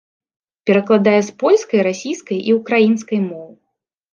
Перакладае з польскай, расійскай і ўкраінскай моў.